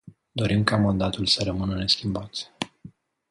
Dorim ca mandatul să rămână neschimbat.